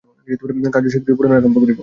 কার্য শীঘ্রই পুনরায় আরম্ভ করিব।